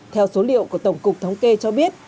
theo số liệu của tổng cục thống kê cho biết